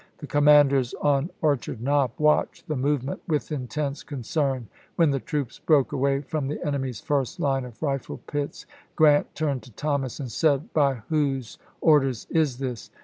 The commanders on Orchard Knob watched the movement with intense concern. When the troops broke away from the enemy's first line of rifle pits, Grant turned to Thomas and said: " By whose orders is this?"